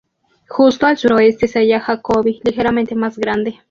Justo al sureste se halla Jacobi, ligeramente más grande.